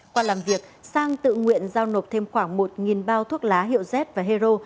qua làm việc sang tự nguyện giao nộp thêm khoảng một bao thuốc lá hiệu z và hero